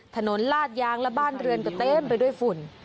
ลาดยางและบ้านเรือนก็เต็มไปด้วยฝุ่น